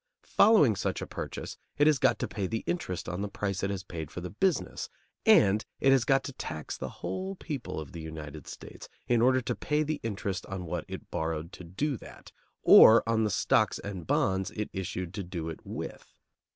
Following such a purchase it has got to pay the interest on the price it has paid for the business, and it has got to tax the whole people of the United States, in order to pay the interest on what it borrowed to do that, or on the stocks and bonds it issued to do it with.